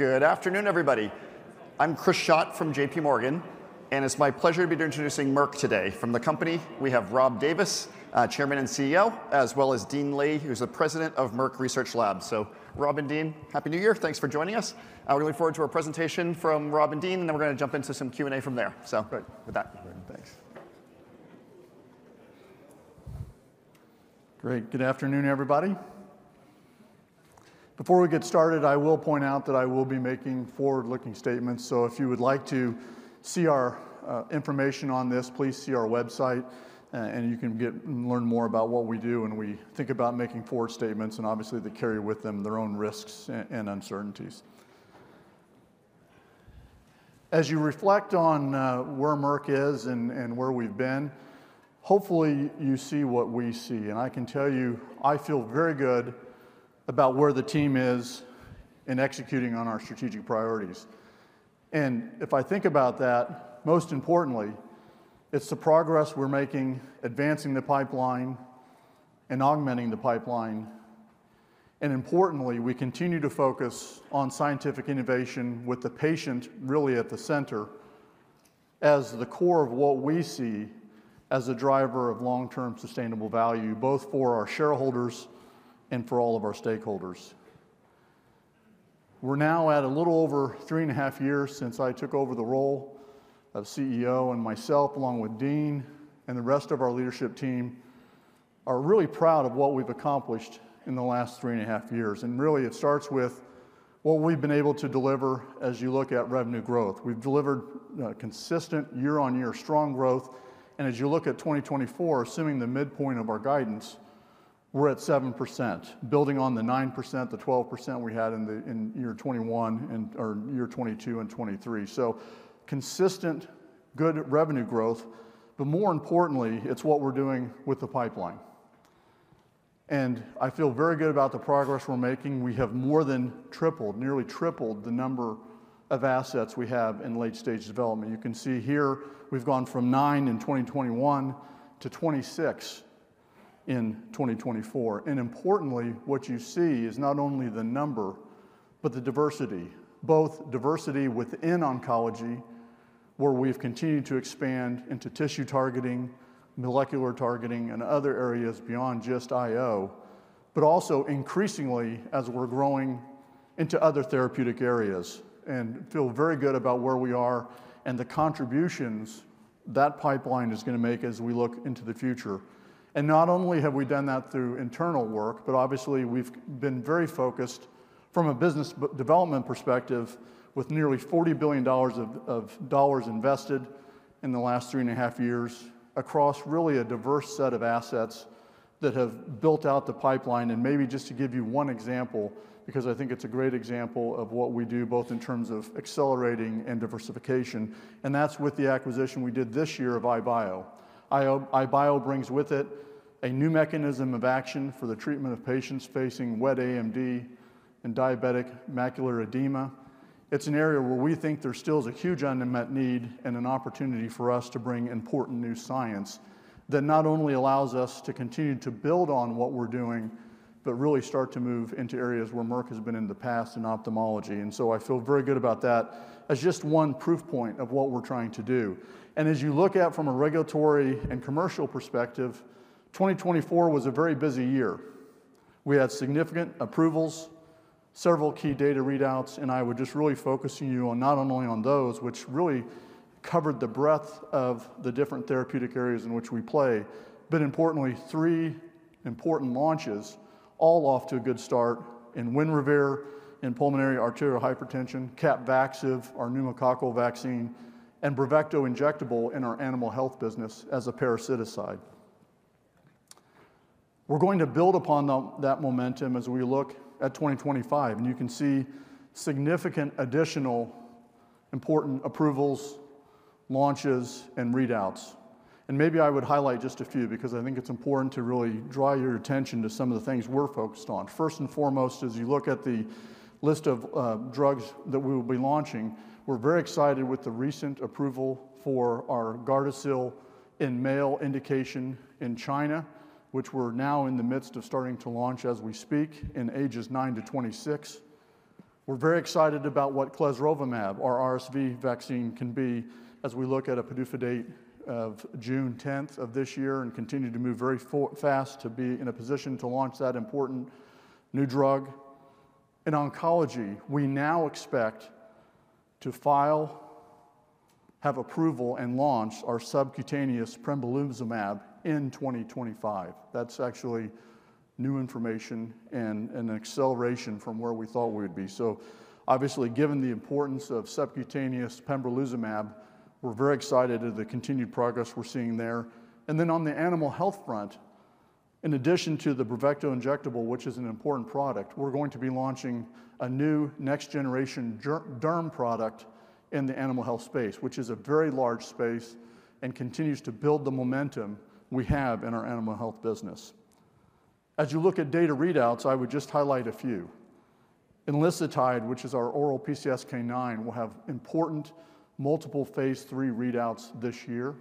Good afternoon, everybody. I'm Chris Schott from JPMorgan, and it's my pleasure to be introducing Merck today. From the company, we have Rob Davis, Chairman and CEO, as well as Dean Li, who's the President of Merck Research Laboratories. So, Rob and Dean, happy new year. Thanks for joining us. We look forward to our presentation from Rob and Dean, and then we're going to jump into some Q and A from there. So, with that, thanks. Great. Good afternoon, everybody. Before we get started, I will point out that I will be making forward-looking statements. So, if you would like to see our information on this, please see our website, and you can learn more about what we do when we think about making forward statements, and obviously they carry with them their own risks and uncertainties. As you reflect on where Merck is and where we've been, hopefully you see what we see, and I can tell you, I feel very good about where the team is in executing on our strategic priorities, and if I think about that, most importantly, it's the progress we're making, advancing the pipeline and augmenting the pipeline. Importantly, we continue to focus on scientific innovation with the patient really at the center as the core of what we see as a driver of long-term sustainable value, both for our shareholders and for all of our stakeholders. We're now at a little over three and a half years since I took over the role of CEO, and myself, along with Dean and the rest of our leadership team, are really proud of what we've accomplished in the last three and a half years. Really, it starts with what we've been able to deliver as you look at revenue growth. We've delivered consistent year on year strong growth. As you look at 2024, assuming the midpoint of our guidance, we're at 7%, building on the 9%, the 12% we had in year 2021 and year 2022 and 2023. Consistent, good revenue growth, but more importantly, it's what we're doing with the pipeline. I feel very good about the progress we're making. We have more than tripled, nearly tripled the number of assets we have in late-stage development. You can see here, we've gone from nine in 2021 to 26 in 2024. Importantly, what you see is not only the number, but the diversity, both diversity within oncology, where we've continued to expand into tissue targeting, molecular targeting, and other areas beyond just IO, but also increasingly as we're growing into other therapeutic areas. I feel very good about where we are and the contributions that pipeline is going to make as we look into the future. And not only have we done that through internal work, but obviously we've been very focused from a business development perspective with nearly $40 billion of dollars invested in the last three and a half years across really a diverse set of assets that have built out the pipeline. And maybe just to give you one example, because I think it's a great example of what we do both in terms of accelerating and diversification, and that's with the acquisition we did this year of EyeBio. EyeBio brings with it a new mechanism of action for the treatment of patients facing wet AMD and diabetic macular edema. It's an area where we think there still is a huge unmet need and an opportunity for us to bring important new science that not only allows us to continue to build on what we're doing, but really start to move into areas where Merck has been in the past in ophthalmology. And so I feel very good about that as just one proof point of what we're trying to do. And as you look at from a regulatory and commercial perspective, 2024 was a very busy year. We had significant approvals, several key data readouts, and I would just really focus on you on not only on those, which really covered the breadth of the different therapeutic areas in which we play, but importantly, three important launches all off to a good start in WINREVAIR in pulmonary arterial hypertension, CAPVAXIVE, our pneumococcal vaccine, and Bravecto injectable in our animal health business as a parasiticide. We're going to build upon that momentum as we look at 2025, and you can see significant additional important approvals, launches, and readouts, and maybe I would highlight just a few because I think it's important to really draw your attention to some of the things we're focused on. First and foremost, as you look at the list of drugs that we will be launching, we're very excited with the recent approval for our GARDASIL in male indication in China, which we're now in the midst of starting to launch as we speak in ages 9 to 26. We're very excited about what clesrovimab, our RSV vaccine, can be as we look at a PDUFA date of June 10th of this year and continue to move very fast to be in a position to launch that important new drug. In oncology, we now expect to file, have approval, and launch our subcutaneous pembrolizumab in 2025. That's actually new information and an acceleration from where we thought we would be. So, obviously, given the importance of subcutaneous pembrolizumab, we're very excited at the continued progress we're seeing there. And then on the animal health front, in addition to the Bravecto injectable, which is an important product, we're going to be launching a new next-generation derm product in the animal health space, which is a very large space and continues to build the momentum we have in our animal health business. As you look at data readouts, I would just highlight a few. MK-0616, which is our oral PCSK9, will have important multiple Phase 3 readouts this year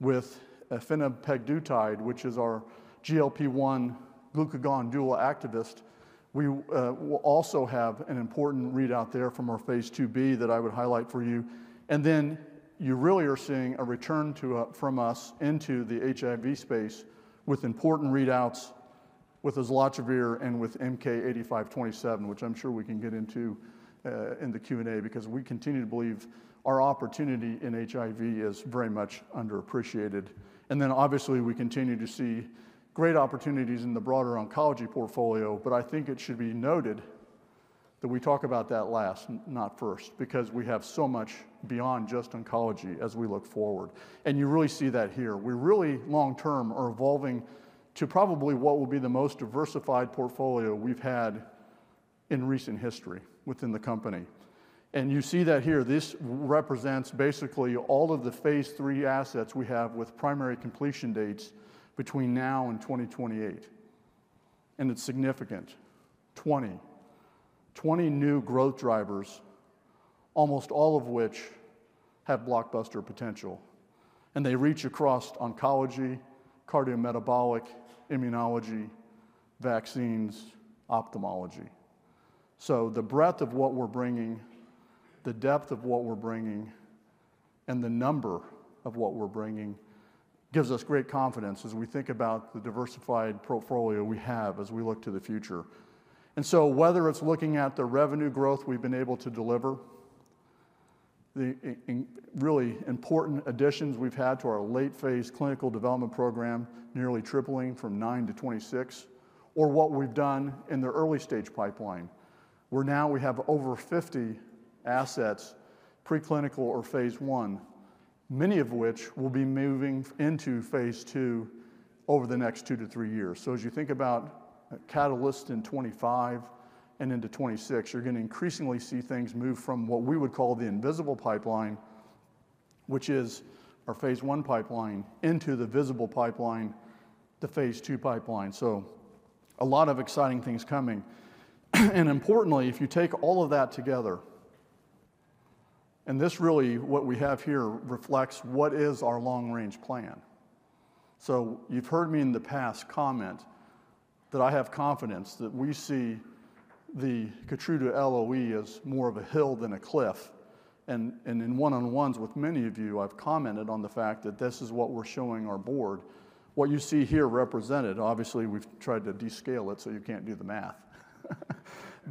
with efinopegdutide, which is our GLP-1 glucagon dual agonist. We will also have an important readout there from our Phase 2b that I would highlight for you. You really are seeing a return from us into the HIV space with important readouts with islatravir and with MK-8527, which I'm sure we can get into in the Q and A because we continue to believe our opportunity in HIV is very much underappreciated. And then obviously we continue to see great opportunities in the broader oncology portfolio, but I think it should be noted that we talk about that last, not first, because we have so much beyond just oncology as we look forward. And you really see that here. We really long-term are evolving to probably what will be the most diversified portfolio we've had in recent history within the company. And you see that here. This represents basically all of the phase 3 assets we have with primary completion dates between now and 2028. And it's significant. 20, 20 new growth drivers, almost all of which have blockbuster potential, and they reach across oncology, cardiometabolic, immunology, vaccines, ophthalmology, so the breadth of what we're bringing, the depth of what we're bringing, and the number of what we're bringing gives us great confidence as we think about the diversified portfolio we have as we look to the future, and so whether it's looking at the revenue growth we've been able to deliver, the really important additions we've had to our late-phase clinical development program, nearly tripling from nine to 26, or what we've done in the early-stage pipeline, where now we have over 50 assets, preclinical or Phase 1, many of which will be moving into Phase 2 over the next two to three years. So as you think about Catalyst in 2025 and into 2026, you're going to increasingly see things move from what we would call the invisible pipeline, which is our Phase 1 pipeline, into the visible pipeline, the Phase 2 pipeline. So a lot of exciting things coming. And importantly, if you take all of that together, and this really what we have here reflects what is our long-range plan. So you've heard me in the past comment that I have confidence that we see the KEYTRUDA LOE as more of a hill than a cliff. And in one-on-ones with many of you, I've commented on the fact that this is what we're showing our board. What you see here represented, obviously we've tried to descale it so you can't do the math,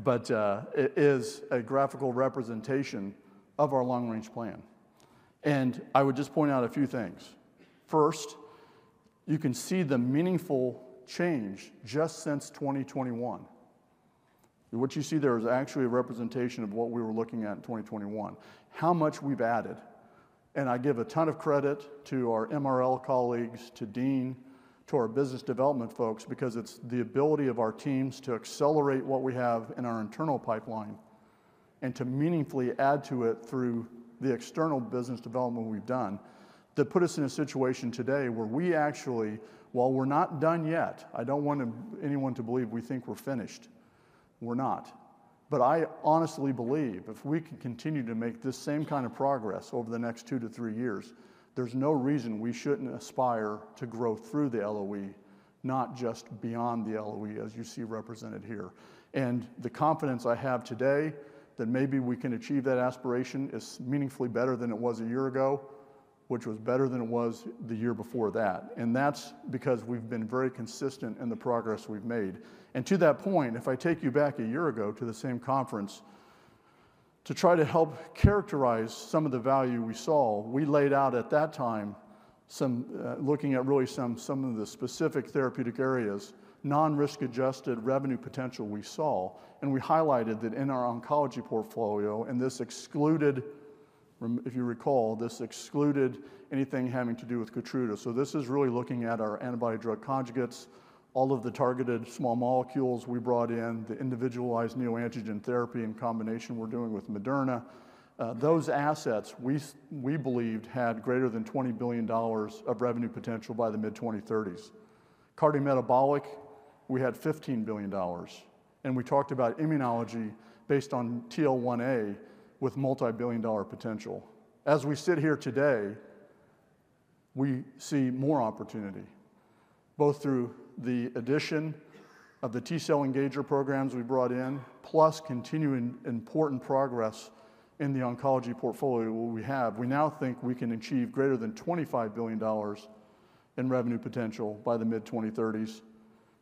but it is a graphical representation of our long-range plan. And I would just point out a few things. First, you can see the meaningful change just since 2021. What you see there is actually a representation of what we were looking at in 2021, how much we've added. And I give a ton of credit to our MRL colleagues, to Dean, to our business development folks, because it's the ability of our teams to accelerate what we have in our internal pipeline and to meaningfully add to it through the external business development we've done that put us in a situation today where we actually, while we're not done yet, I don't want anyone to believe we think we're finished. We're not. But I honestly believe if we can continue to make this same kind of progress over the next two to three years, there's no reason we shouldn't aspire to grow through the LOE, not just beyond the LOE as you see represented here. And the confidence I have today that maybe we can achieve that aspiration is meaningfully better than it was a year ago, which was better than it was the year before that. And that's because we've been very consistent in the progress we've made. And to that point, if I take you back a year ago to the same conference to try to help characterize some of the value we saw, we laid out at that time some looking at really some of the specific therapeutic areas, non-risk-adjusted revenue potential we saw. And we highlighted that in our oncology portfolio, and this excluded, if you recall, this excluded anything having to do with KEYTRUDA. So this is really looking at our antibody-drug conjugates, all of the targeted small molecules we brought in, the individualized neoantigen therapy in combination we're doing with Moderna. Those assets we believed had greater than $20 billion of revenue potential by the mid-2030s. Cardiometabolic, we had $15 billion. And we talked about immunology based on TL1A with multi-billion dollar potential. As we sit here today, we see more opportunity, both through the addition of the T-cell engager programs we brought in, plus continuing important progress in the oncology portfolio we have. We now think we can achieve greater than $25 billion in revenue potential by the mid-2030s.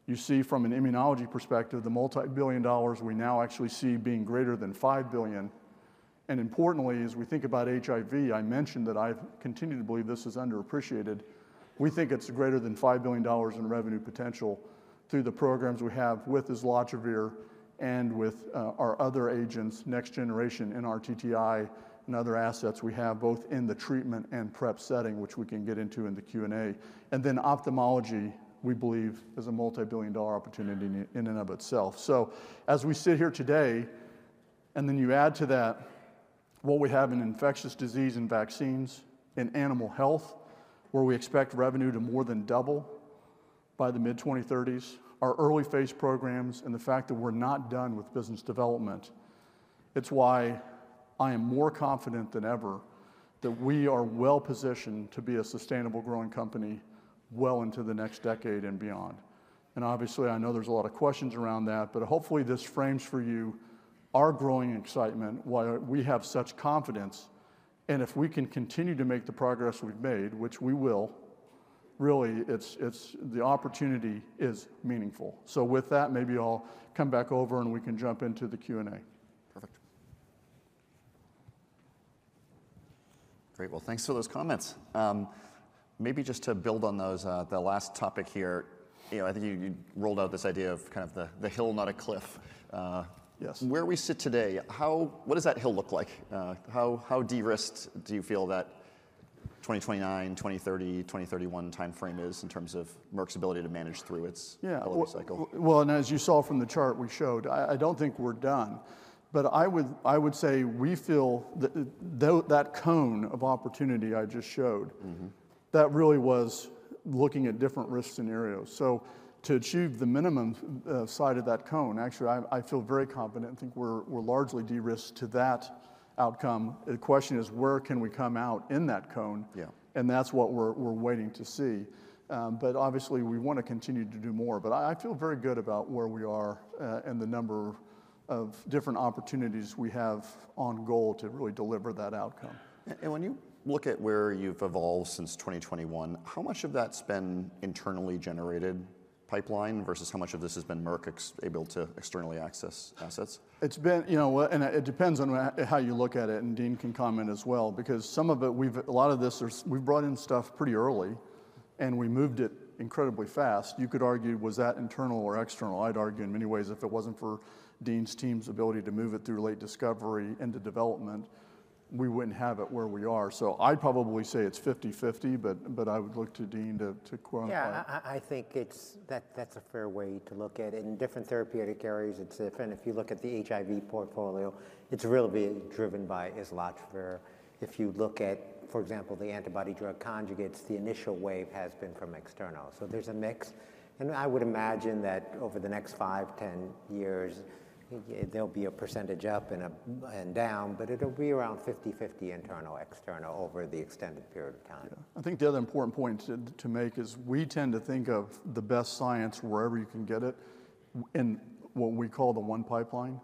You see from an immunology perspective, the multi-billion dollars we now actually see being greater than $5 billion. Importantly, as we think about HIV, I mentioned that I continue to believe this is underappreciated. We think it's greater than $5 billion in revenue potential through the programs we have with islatravir and with our other agents, next-generation NRTTI and other assets we have both in the treatment and PrEP setting, which we can get into in the Q and A. Then ophthalmology, we believe, is a multi-billion-dollar opportunity in and of itself. As we sit here today, and then you add to that what we have in infectious disease and vaccines in animal health, where we expect revenue to more than double by the mid-2030s, our early phase programs, and the fact that we're not done with business development, it's why I am more confident than ever that we are well positioned to be a sustainable growing company well into the next decade and beyond. Obviously, I know there's a lot of questions around that, but hopefully this frames for you our growing excitement why we have such confidence. If we can continue to make the progress we've made, which we will, really the opportunity is meaningful. With that, maybe I'll come back over and we can jump into the Q and A. Perfect. Great. Thanks for those comments. Maybe just to build on those, the last topic here, I think you rolled out this idea of kind of the hill, not a cliff. Yes. Where we sit today, what does that hill look like? How de-risked do you feel that 2029, 2030, 2031 timeframe is in terms of Merck's ability to manage through its LOE cycle? Well, and as you saw from the chart we showed, I don't think we're done, but I would say we feel that cone of opportunity I just showed, that really was looking at different risk scenarios. So to achieve the minimum side of that cone, actually, I feel very confident and think we're largely de-risked to that outcome. The question is, where can we come out in that cone? And that's what we're waiting to see. But obviously, we want to continue to do more. But I feel very good about where we are and the number of different opportunities we have on goal to really deliver that outcome. And when you look at where you've evolved since 2021, how much of that's been internally generated pipeline versus how much of this has been Merck able to externally access assets? It's been, you know, and it depends on how you look at it, and Dean can comment as well, because some of it, we've a lot of this, we've brought in stuff pretty early and we moved it incredibly fast. You could argue, was that internal or external? I'd argue in many ways, if it wasn't for Dean's team's ability to move it through late discovery into development, we wouldn't have it where we are, so I'd probably say it's 50-50, but I would look to Dean to quantify. Yeah, I think that's a fair way to look at it. In different therapeutic areas, it's different. If you look at the HIV portfolio, it's really being driven by islatravir. If you look at, for example, the antibody-drug conjugates, the initial wave has been from external, so there's a mix. And I would imagine that over the next five, 10 years, there'll be a percentage up and down, but it'll be around 50/50 internal, external over the extended period of time. I think the other important point to make is we tend to think of the best science wherever you can get it in what we call the one pipeline.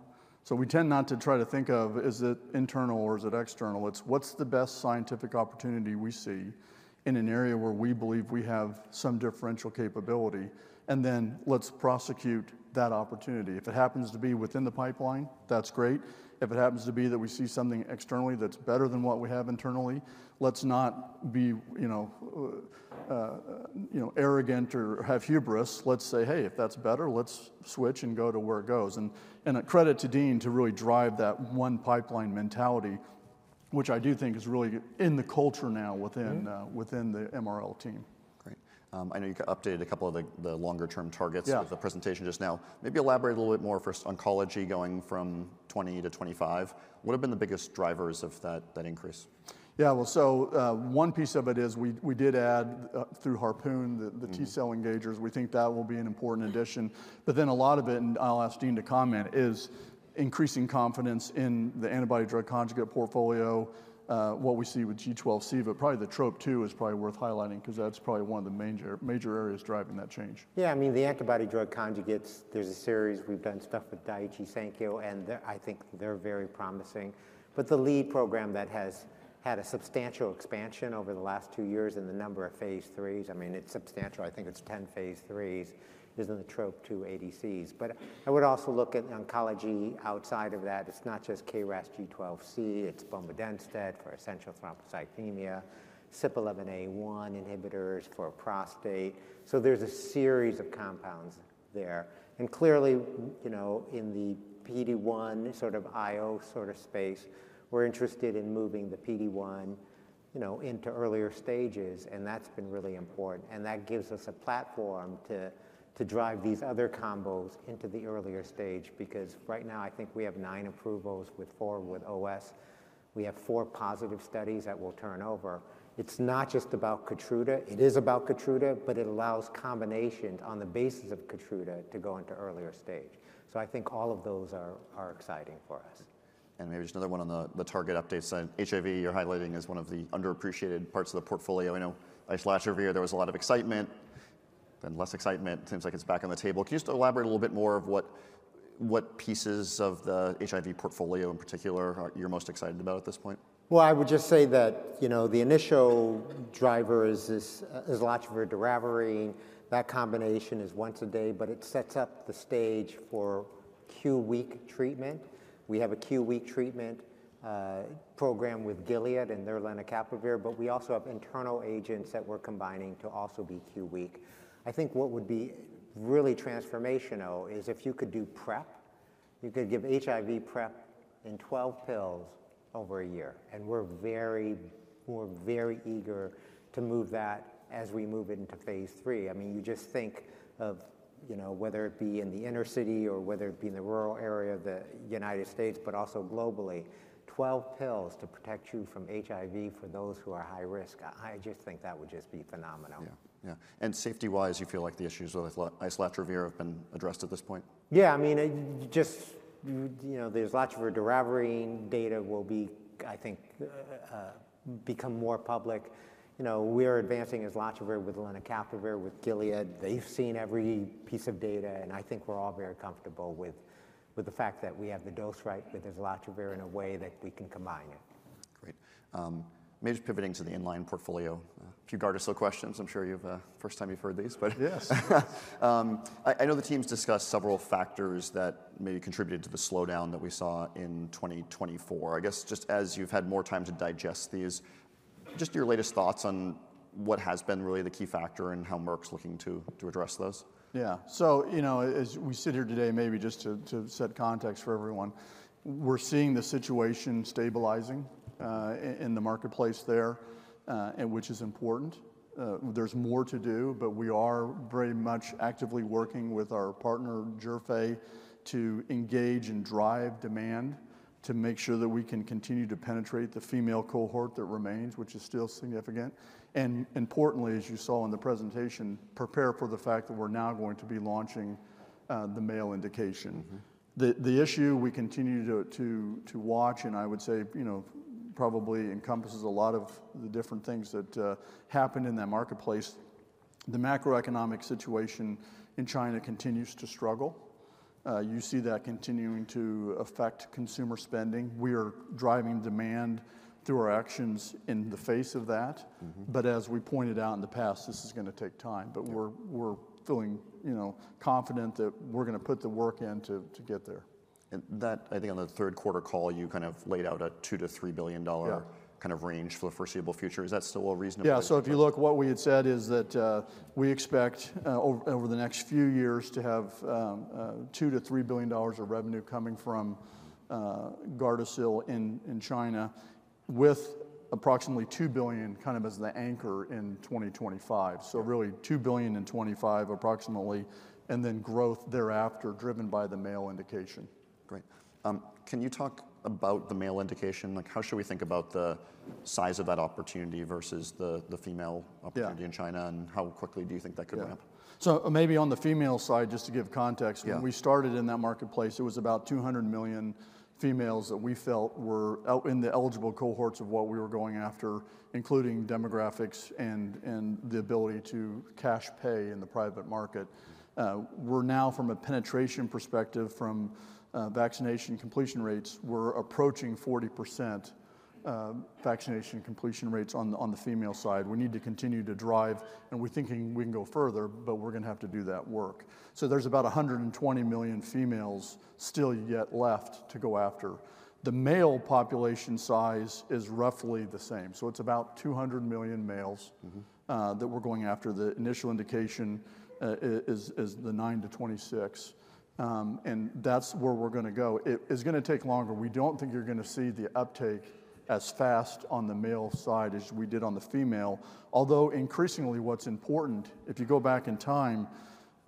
So we tend not to try to think of, is it internal or is it external? It's what's the best scientific opportunity we see in an area where we believe we have some differential capability, and then let's prosecute that opportunity. If it happens to be within the pipeline, that's great. If it happens to be that we see something externally that's better than what we have internally, let's not be arrogant or have hubris. Let's say, hey, if that's better, let's switch and go to where it goes. A credit to Dean to really drive that one pipeline mentality, which I do think is really in the culture now within the MRL team. Great. I know you updated a couple of the longer-term targets of the presentation just now. Maybe elaborate a little bit more for oncology going from 20 to 25. What have been the biggest drivers of that increase? Yeah, well, so one piece of it is we did add through Harpoon, the T-cell engagers. We think that will be an important addition. But then a lot of it, and I'll ask Dean to comment, is increasing confidence in the antibody-drug conjugate portfolio, what we see with G12C, but probably the TROP2 is probably worth highlighting because that's probably one of the major areas driving that change. Yeah, I mean, the antibody-drug conjugates, there's a series. We've done stuff with Daiichi Sankyo, and I think they're very promising. But the lead program that has had a substantial expansion over the last two years in the number of Phase 3s, I mean, it's substantial. I think it's 10 Phase 3s. There's another TROP2 ADC. But I would also look at oncology outside of that. It's not just KRAS G12C, it's bomedemstat for essential thrombocythemia, CYP11A1 inhibitors for prostate. So there's a series of compounds there. And clearly, you know, in the PD-1 sort of IO sort of space, we're interested in moving the PD-1 into earlier stages, and that's been really important. And that gives us a platform to drive these other combos into the earlier stage because right now I think we have nine approvals with four with OS. We have four positive studies that will turn over. It's not just about KEYTRUDA. It is about KEYTRUDA, but it allows combinations on the basis of KEYTRUDA to go into earlier stage. So I think all of those are exciting for us. And maybe just another one on the target update side. HIV, you're highlighting as one of the underappreciated parts of the portfolio. I know islatravir, there was a lot of excitement, then less excitement. It seems like it's back on the table. Can you just elaborate a little bit more of what pieces of the HIV portfolio in particular you're most excited about at this point? Well, I would just say that, you know, the initial driver is islatravir doravirine. That combination is once a day, but it sets up the stage for Q-week treatment. We have a Q-week treatment program with Gilead and their lenacapavir, but we also have internal agents that we're combining to also be Q-week. I think what would be really transformational is if you could do PrEP, you could give HIV PrEP in 12 pills over a year. And we're very eager to move that as we move into Phase 3. I mean, you just think of, you know, whether it be in the inner city or whether it be in the rural area of the United States, but also globally, 12 pills to protect you from HIV for those who are high risk. I just think that would just be phenomenal. Yeah. Yeah. And safety-wise, you feel like the issues with islatravir have been addressed at this point? Yeah. I mean, just, you know, the islatravir doravirine data will be, I think, become more public. You know, we're advancing islatravir with lenacapavir with Gilead. They've seen every piece of data, and I think we're all very comfortable with the fact that we have the dose right with islatravir in a way that we can combine it. Great. Maybe just pivoting to the inline portfolio. A few guardrail questions. I'm sure this is not the first time you've heard these, but. Yes. I know the team's discussed several factors that maybe contributed to the slowdown that we saw in 2024. I guess just as you've had more time to digest these, just your latest thoughts on what has been really the key factor and how Merck's looking to address those? Yeah. So, you know, as we sit here today, maybe just to set context for everyone, we're seeing the situation stabilizing in the marketplace there, which is important. There's more to do, but we are very much actively working with our partner, Zhifei, to engage and drive demand to make sure that we can continue to penetrate the female cohort that remains, which is still significant. And importantly, as you saw in the presentation, prepare for the fact that we're now going to be launching the male indication. The issue we continue to watch, and I would say, you know, probably encompasses a lot of the different things that happened in that marketplace. The macroeconomic situation in China continues to struggle. You see that continuing to affect consumer spending. We are driving demand through our actions in the face of that. But as we pointed out in the past, this is going to take time. But we're feeling, you know, confident that we're going to put the work in to get there. And that, I think, on the third quarter call, you kind of laid out a $2 to $3 billion Yeah. Kind of range for the foreseeable future. Is that still reasonable? Yeah. So if you look, what we had said is that we expect over the next few years to have $2 to $3 billion of revenue coming from GARDASIL in China with approximately $2 billion kind of as the anchor in 2025. So really $2 billion in 2025 approximately, and then growth thereafter driven by the male indication. Great. Can you talk about the male indication? Like, how should we think about the size of that opportunity versus the female opportunity in China? And how quickly do you think that could happen? Yeah. So maybe on the female side, just to give context, when we started in that marketplace, it was about 200 million females that we felt were in the eligible cohorts of what we were going after, including demographics and the ability to cash pay in the private market. We're now, from a penetration perspective, from vaccination completion rates, we're approaching 40% vaccination completion rates on the female side. We need to continue to drive, and we're thinking we can go further, but we're going to have to do that work. So there's about 120 million females still yet left to go after. The male population size is roughly the same. So it's about 200 million males that we're going after. The initial indication is the 9 to 26. And that's where we're going to go. It's going to take longer. We don't think you're going to see the uptake as fast on the male side as we did on the female. Although increasingly what's important, if you go back in time,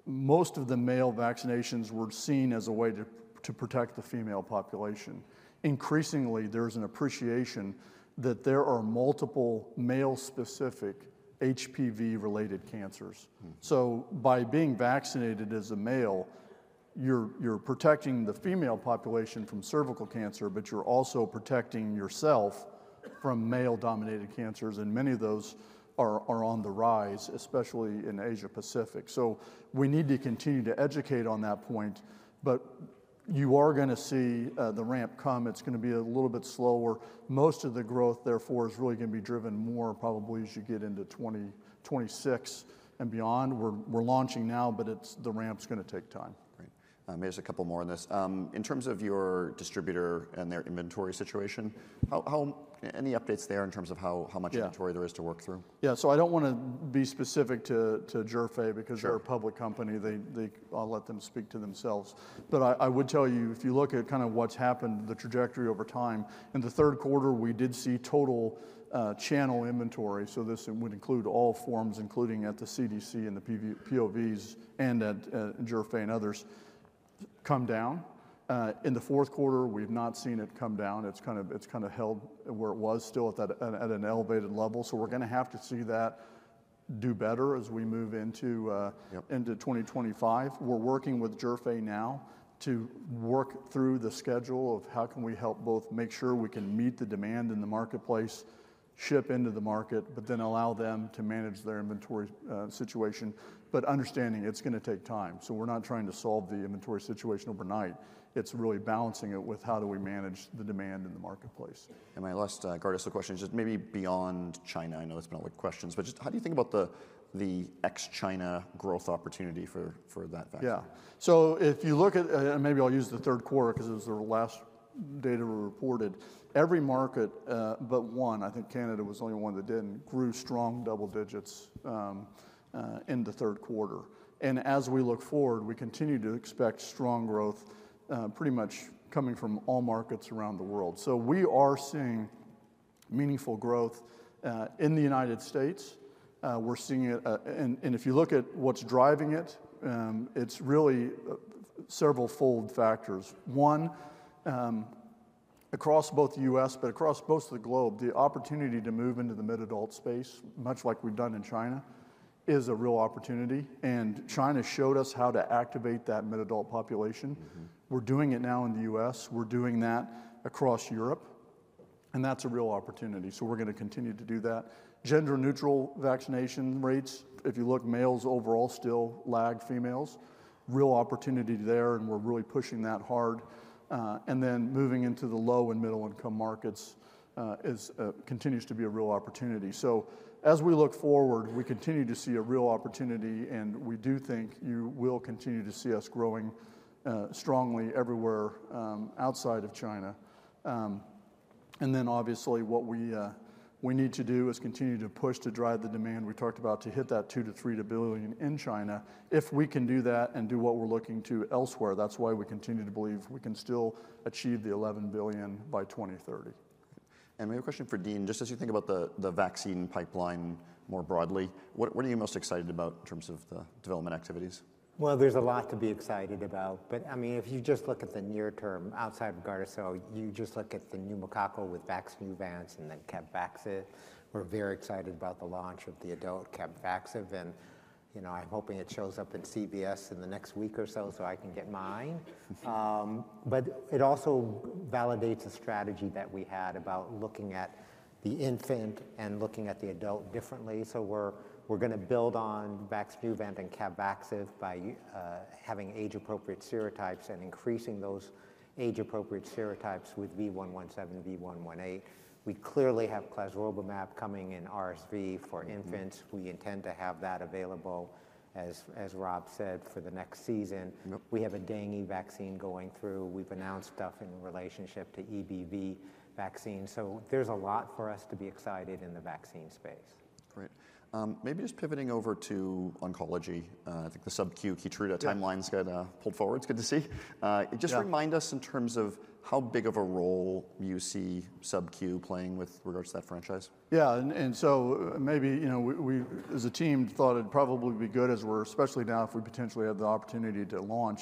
most of the male vaccinations were seen as a way to protect the female population. Increasingly, there's an appreciation that there are multiple male-specific HPV-related cancers. So by being vaccinated as a male, you're protecting the female population from cervical cancer, but you're also protecting yourself from male-dominated cancers. And many of those are on the rise, especially in Asia-Pacific. So we need to continue to educate on that point. But you are going to see the ramp come. It's going to be a little bit slower. Most of the growth, therefore, is really going to be driven more probably as you get into 2026 and beyond. We're launching now, but the ramp's going to take time. Great. Maybe just a couple more on this. In terms of your distributor and their inventory situation, any updates there in terms of how much inventory there is to work through? Yeah. So I don't want to be specific to McKesson because they're a public company. I'll let them speak to themselves. But I would tell you, if you look at kind of what's happened, the trajectory over time, in the third quarter, we did see total channel inventory. So this would include all forms, including at the CDC and the GPOs and at McKesson and others, come down. In the fourth quarter, we've not seen it come down. It's kind of held where it was still at an elevated level. So we're going to have to see that do better as we move into 2025. We're working with Zhifei now to work through the schedule of how can we help both make sure we can meet the demand in the marketplace, ship into the market, but then allow them to manage their inventory situation, but understanding it's going to take time, so we're not trying to solve the inventory situation overnight. It's really balancing it with how do we manage the demand in the marketplace. And my last GARDASIL question is just maybe beyond China. I know it's been a lot of questions, but just how do you think about the ex-China growth opportunity for GARDASIL? Yeah, so if you look at, and maybe I'll use the third quarter because it was the last data we reported, every market but one, I think Canada was the only one that didn't, grew strong double digits in the third quarter. As we look forward, we continue to expect strong growth pretty much coming from all markets around the world. So we are seeing meaningful growth in the United States. We're seeing it. And if you look at what's driving it, it's really several fold factors. One, across both the U.S., but across most of the globe, the opportunity to move into the mid-adult space, much like we've done in China, is a real opportunity. And China showed us how to activate that mid-adult population. We're doing it now in the U.S. We're doing that across Europe. And that's a real opportunity. So we're going to continue to do that. Gender-neutral vaccination rates, if you look, males overall still lag females. Real opportunity there, and we're really pushing that hard. And then moving into the low and middle-income markets continues to be a real opportunity. So as we look forward, we continue to see a real opportunity, and we do think you will continue to see us growing strongly everywhere outside of China. And then obviously what we need to do is continue to push to drive the demand we talked about to hit that $2 to $3 billion in China. If we can do that and do what we're looking to elsewhere, that's why we continue to believe we can still achieve the $11 billion by 2030. And maybe a question for Dean. Just as you think about the vaccine pipeline more broadly, what are you most excited about in terms of the development activities? Well, there's a lot to be excited about. But I mean, if you just look at the near term outside of GARDASIL, you just look at the pneumococcal with Vaxneuvance and then CAPVAXIVE. We're very excited about the launch of the adult CAPVAXIVE. And, you know, I'm hoping it shows up in CVS in the next week or so so I can get mine. But it also validates a strategy that we had about looking at the infant and looking at the adult differently. So we're going to build on Vaxneuvance and CAPVAXIVE having age-appropriate serotypes and increasing those age-appropriate serotypes with V117, V118. We clearly have clesrovimab coming in RSV for infants. We intend to have that available, as Rob said, for the next season. We have a dengue vaccine going through. We've announced stuff in relationship to EBV vaccine. So there's a lot for us to be excited in the vaccine space. Great. Maybe just pivoting over to oncology. I think the SubQ KEYTRUDA timeline's got pulled forward. It's good to see. Just remind us in terms of how big of a role you see SubQ playing with regards to that franchise. Yeah. And so maybe, you know, we as a team thought it'd probably be good, especially now if we potentially have the opportunity to launch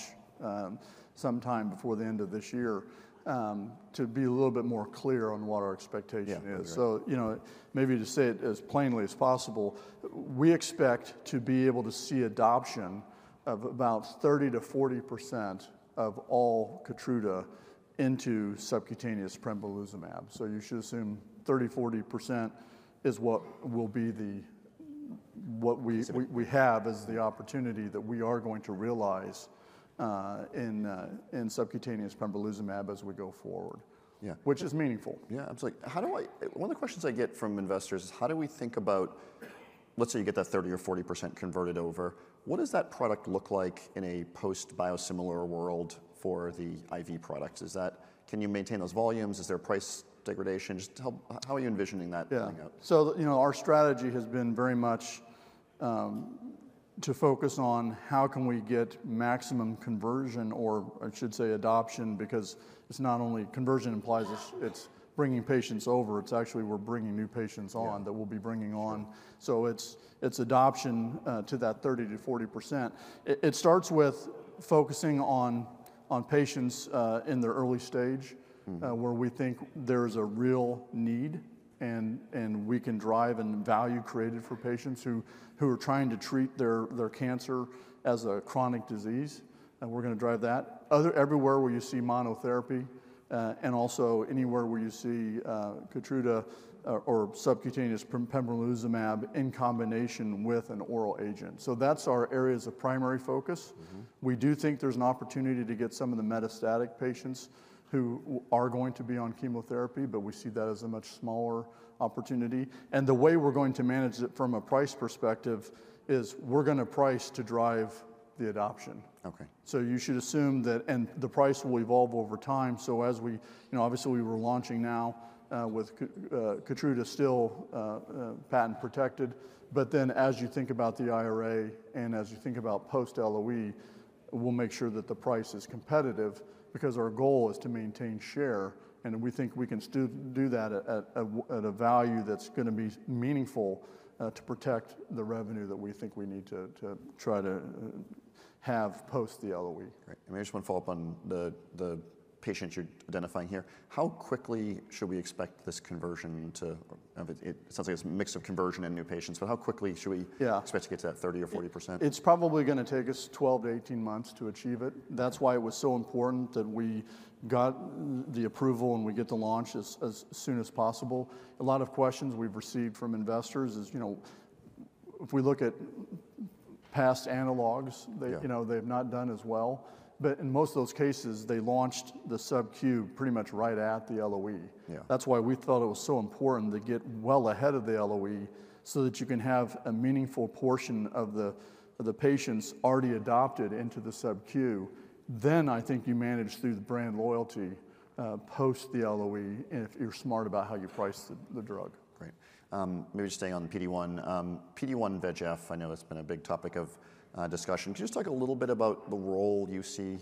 sometime before the end of this year, to be a little bit more clear on what our expectation is. So, you know, maybe to say it as plainly as possible, we expect to be able to see adoption of about 30% to 40% of all Keytruda into subcutaneous pembrolizumab. So you should assume 30% to 40% is what will be the what we have as the opportunity that we are going to realize in subcutaneous pembrolizumab as we go forward, which is meaningful. Yeah. I'm just like. One of the questions I get from investors is how do we think about, let's say you get that 30 or 40% converted over, what does that product look like in a post-biosimilar world for the IV products? Is that can you maintain those volumes? Is there price degradation? Just how are you envisioning that coming out? Yeah. So, you know, our strategy has been very much to focus on how can we get maximum conversion or, I should say, adoption, because it's not only conversion implies it's bringing patients over. It's actually we're bringing new patients on that we'll be bringing on. So it's adoption to that 30 to 40%. It starts with focusing on patients in their early stage where we think there's a real need and we can drive and value created for patients who are trying to treat their cancer as a chronic disease, and we're going to drive that everywhere where you see monotherapy and also anywhere where you see KEYTRUDA or subcutaneous pembrolizumab in combination with an oral agent, so that's our area as a primary focus. We do think there's an opportunity to get some of the metastatic patients who are going to be on chemotherapy, but we see that as a much smaller opportunity, and the way we're going to manage it from a price perspective is we're going to price to drive the adoption. Okay. So you should assume that, and the price will evolve over time, so as we, you know, obviously we were launching now with KEYTRUDA still patent protected. But then as you think about the IRA and as you think about post-LOE, we'll make sure that the price is competitive because our goal is to maintain share. And we think we can do that at a value that's going to be meaningful to protect the revenue that we think we need to try to have post the LOE. Great. And maybe I just want to follow up on the patients you're identifying here. How quickly should we expect this conversion to, it sounds like it's a mix of conversion and new patients, but how quickly should we expect to get to that 30% or 40%? It's probably going to take us 12 to18 months to achieve it. That's why it was so important that we got the approval and we get the launch as soon as possible. A lot of questions we've received from investors is, you know, if we look at past analogs, they, you know, they've not done as well. But in most of those cases, they launched the SubQ pretty much right at the LOE. That's why we thought it was so important to get well ahead of the LOE so that you can have a meaningful portion of the patients already adopted into the SubQ. Then I think you manage through the brand loyalty post the LOE if you're smart about how you price the drug. Great. Maybe just staying on the PD-1, PD-1 and VEGF, I know it's been a big topic of discussion. Could you just talk a little bit about the role you see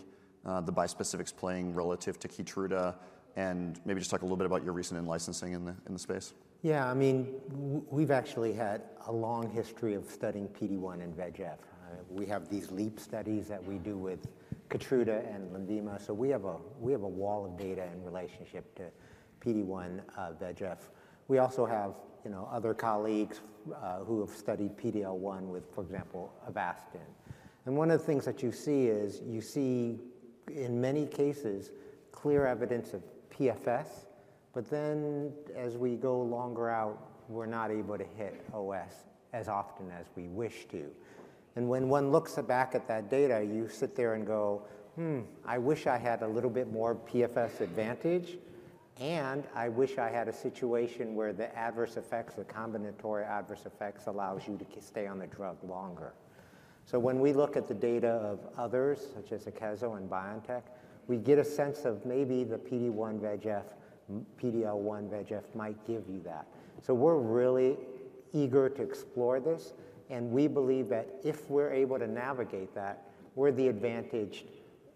the bispecifics playing relative to KEYTRUDA and maybe just talk a little bit about your recent in-licensing in the space? Yeah. I mean, we've actually had a long history of studying PD-1 and VEGF. We have these leap studies that we do with KEYTRUDA and Lenvima. So we have a wall of data in relationship to PD-1, VEGF. We also have, you know, other colleagues who have studied PD-L1 with, for example, Avastin. And one of the things that you see is you see in many cases clear evidence of PFS, but then as we go longer out, we're not able to hit OS as often as we wish to. And when one looks back at that data, you sit there and go, I wish I had a little bit more PFS advantage, and I wish I had a situation where the adverse effects, the combinatory adverse effects allows you to stay on the drug longer. So when we look at the data of others such as Akeso and BioNTech, we get a sense of maybe the PD-1 VEGF, PD-L1 VEGF might give you that. We're really eager to explore this. We believe that if we're able to navigate that, we're the advantaged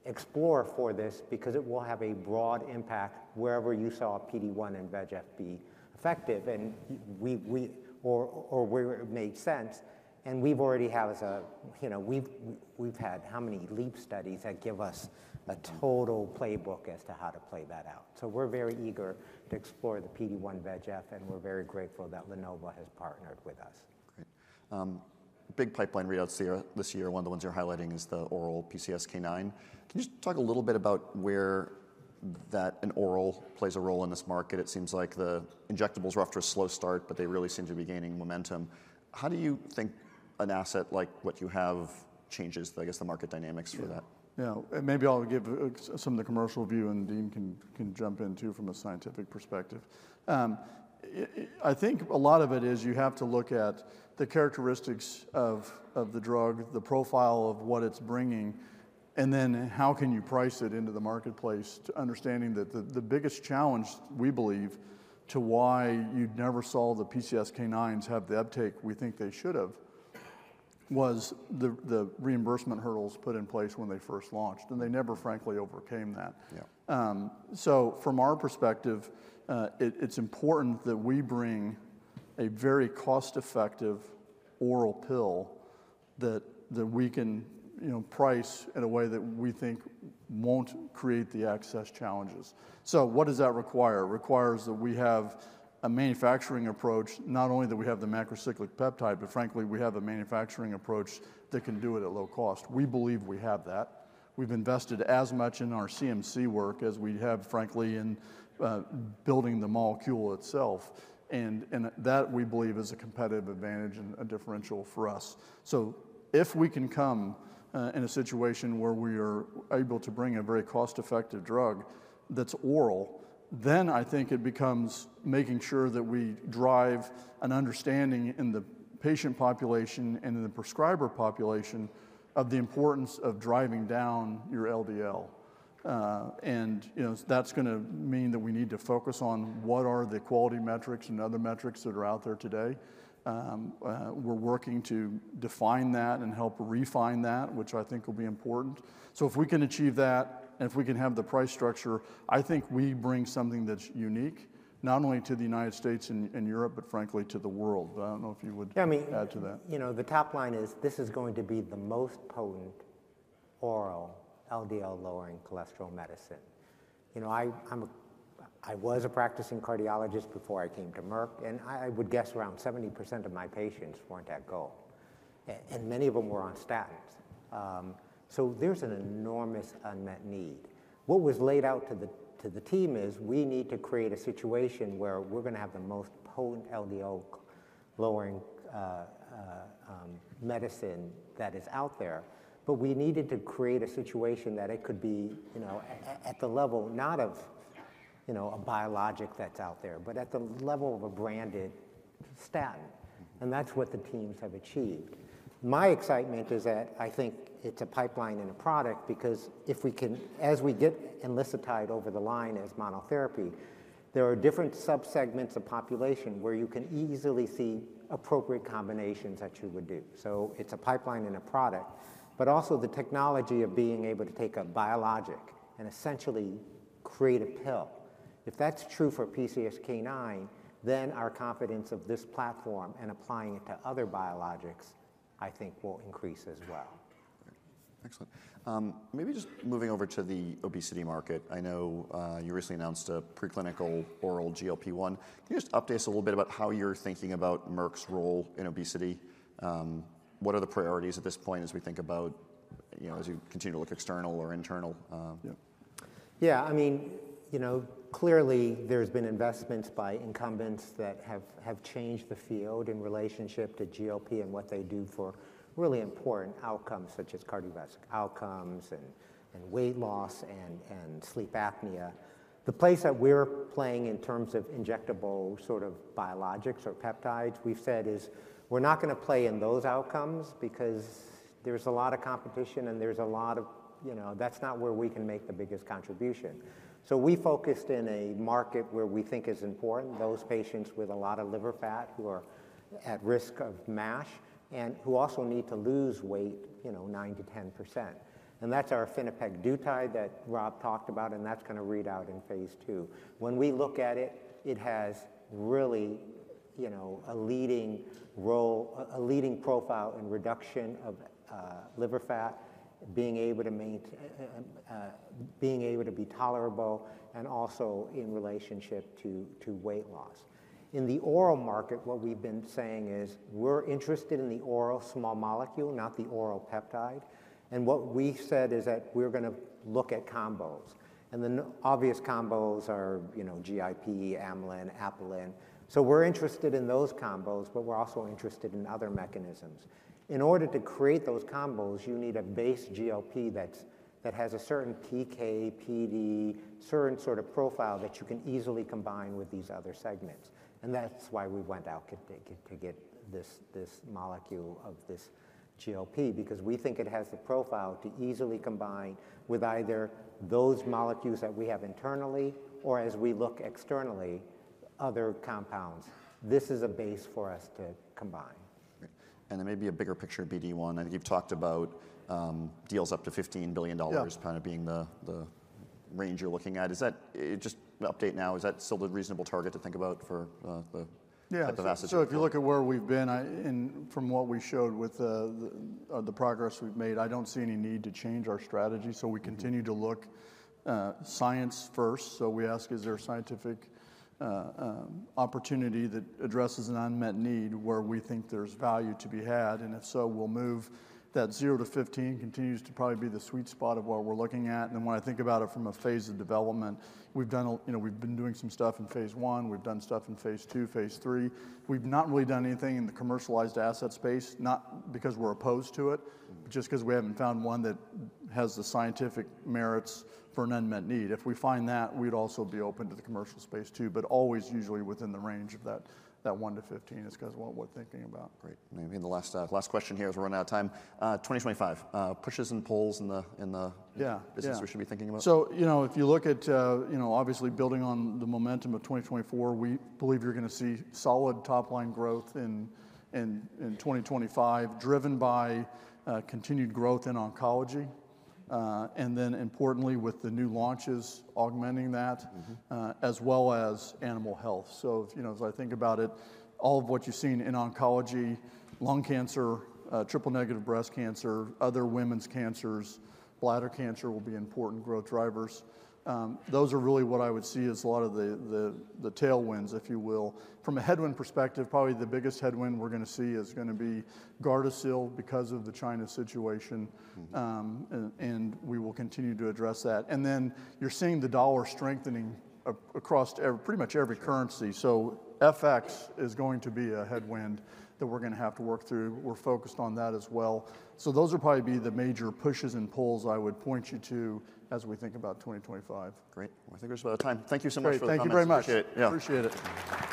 explorer for this because it will have a broad impact wherever you saw PD-1 and VEGF be effective and we or where it made sense. We've already had, you know, we've had how many LEAP studies that give us a total playbook as to how to play that out. We're very eager to explore the PD-1 VEGF, and we're very grateful that Lenvima has partnered with us. Great. Big pipeline readouts this year. One of the ones you're highlighting is the oral PCSK9. Can you just talk a little bit about where an oral plays a role in this market? It seems like the injectables were off to a slow start, but they really seem to be gaining momentum. How do you think an asset like what you have changes, I guess, the market dynamics for that? Yeah. Maybe I'll give some of the commercial view, and Dean can jump in too from a scientific perspective. I think a lot of it is you have to look at the characteristics of the drug, the profile of what it's bringing, and then how can you price it into the marketplace with understanding that the biggest challenge we believe as to why you never saw the PCSK9s have the uptake we think they should have was the reimbursement hurdles put in place when they first launched. They never, frankly, overcame that. So from our perspective, it's important that we bring a very cost-effective oral pill that we can, you know, price in a way that we think won't create the excess challenges. So what does that require? It requires that we have a manufacturing approach, not only that we have the macrocyclic peptide, but frankly, we have a manufacturing approach that can do it at low cost. We believe we have that. We've invested as much in our CMC work as we have, frankly, in building the molecule itself. And that we believe is a competitive advantage and a differential for us. So if we can come in a situation where we are able to bring a very cost-effective drug that's oral, then I think it becomes making sure that we drive an understanding in the patient population and in the prescriber population of the importance of driving down your LDL. And, you know, that's going to mean that we need to focus on what are the quality metrics and other metrics that are out there today. We're working to define that and help refine that, which I think will be important. So if we can achieve that and if we can have the price structure, I think we bring something that's unique, not only to the United States and Europe, but frankly, to the world. But I don't know if you would add to that. Yeah. I mean, you know, the top line is this is going to be the most potent oral LDL-lowering cholesterol medicine. You know, I was a practicing cardiologist before I came to Merck, and I would guess around 70% of my patients weren't at goal. And many of them were on statins. So there's an enormous unmet need. What was laid out to the team is we need to create a situation where we're going to have the most potent LDL-lowering medicine that is out there. But we needed to create a situation that it could be, you know, at the level not of, you know, a biologic that's out there, but at the level of a branded statin. And that's what the teams have achieved. My excitement is that I think it's a pipeline and a product because if we can, as we get it over the line as monotherapy, there are different subsegments of population where you can easily see appropriate combinations that you would do. So it's a pipeline and a product, but also the technology of being able to take a biologic and essentially create a pill. If that's true for PCSK9, then our confidence of this platform and applying it to other biologics, I think will increase as well. Excellent. Maybe just moving over to the obesity market. I know you recently announced a preclinical oral GLP-1. Can you just update us a little bit about how you're thinking about Merck's role in obesity? What are the priorities at this point as we think about, you know, as you continue to look external or internal? Yeah. Yeah. I mean, you know, clearly there's been investments by incumbents that have changed the field in relationship to GLP and what they do for really important outcomes such as cardiovascular outcomes and weight loss and sleep apnea. The place that we're playing in terms of injectable sort of biologics or peptides, we've said is we're not going to play in those outcomes because there's a lot of competition and there's a lot of, you know, that's not where we can make the biggest contribution. So we focused in a market where we think is important, those patients with a lot of liver fat who are at risk of MASH and who also need to lose weight, you know, 9% to 10%. And that's our efinopegdutide that Rob talked about, and that's going to read out in Phase 2. When we look at it, it has really, you know, a leading role, a leading profile in reduction of liver fat, being able to maintain, being able to be tolerable, and also in relationship to weight loss. In the oral market, what we've been saying is we're interested in the oral small molecule, not the oral peptide. And what we said is that we're going to look at combos. And the obvious combos are, you know, GIP, amylin, apelin. So we're interested in those combos, but we're also interested in other mechanisms. In order to create those combos, you need a base GLP that has a certain PK, PD, certain sort of profile that you can easily combine with these other segments. And that's why we went out to get this molecule of this GLP because we think it has the profile to easily combine with either those molecules that we have internally or as we look externally, other compounds. This is a base for us to combine. And there may be a bigger picture of BD1. I think you've talked about deals up to $15 billion kind of being the range you're looking at. Is that just an update now? Is that still the reasonable target to think about for the vast majority? Yeah. So if you look at where we've been and from what we showed with the progress we've made, I don't see any need to change our strategy. So we continue to look science first. So we ask, is there a scientific opportunity that addresses an unmet need where we think there's value to be had? And if so, we'll move. That zero to 15 continues to probably be the sweet spot of what we're looking at. And then when I think about it from a phase of development, we've done, you know, we've been doing some stuff in Phase 1. We've done stuff in Phase 2, Phase 3. We've not really done anything in the commercialized asset space, not because we're opposed to it, but just because we haven't found one that has the scientific merits for an unmet need. If we find that, we'd also be open to the commercial space too, but always usually within the range of that one to 15 is kind of what we're thinking about. Great. Maybe the last question here as we're running out of time. 2025, pushes and pulls in the business. Yeah, yeah. We should be thinking about? Yeah. So, you know, if you look at, you know, obviously building on the momentum of 2024, we believe you're going to see solid top-line growth in 2025 driven by continued growth in oncology. And then importantly, with the new launches, augmenting that as well as animal health. So, you know, as I think about it, all of what you've seen in oncology, lung cancer, triple-negative breast cancer, other women's cancers, bladder cancer will be important growth drivers. Those are really what I would see as a lot of the tailwinds, if you will. From a headwind perspective, probably the biggest headwind we're going to see is going to be GARDASIL because of the China situation. And we will continue to address that. And then you're seeing the dollar strengthening across pretty much every currency. So FX is going to be a headwind that we're going to have to work through. We're focused on that as well. So those would probably be the major pushes and pulls I would point you to as we think about 2025. Great. I think we're just about out of time. Thank you so much for the time. Thank you very much. Appreciate it.